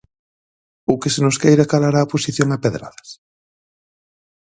¿Ou que se nos queira calar á oposición a pedradas?